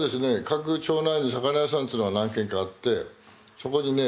各町内に魚屋さんつうのが何軒かあってそこにね